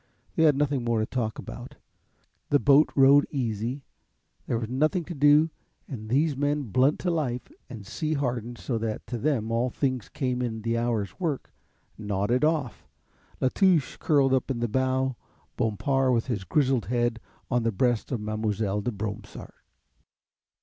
They had nothing more to talk about. The boat rode easy. There was nothing to do, and these men blunt to life and sea hardened so that to them all things came in the hour's work, nodded off, La Touche curled up in the bow, Bompard with his grizzled head on the breast of Mademoiselle de Bromsart.